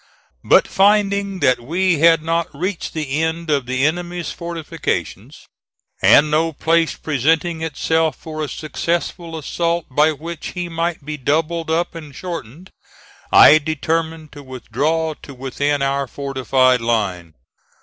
But finding that we had not reached the end of the enemy's fortifications, and no place presenting itself for a successful assault by which he might be doubled up and shortened, I determined to withdraw to within our fortified line.